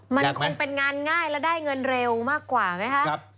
มันคงเป็นงานง่ายและได้เงินเร็วมากกว่าไหมคะ